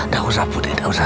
gak usah bu